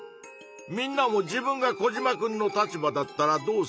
みんなも自分がコジマくんの立場だったらどうするか？